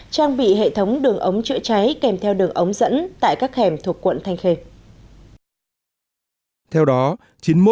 trang bị hệ thống đường ống chữa cháy kèm theo đường ống dẫn tại các hẻm thuộc quận thanh khê